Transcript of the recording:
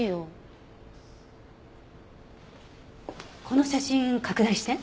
この写真拡大して。